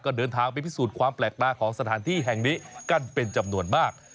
เดินทางไปพิสูจน์ความแปลกตาของสถานที่แห่งนี้กันเป็นจำนวนมาก